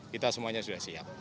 kita semuanya sudah siap